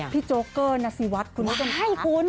พี่โจเกอร์นัซีวัทคุณผู้ชมทั้งแต่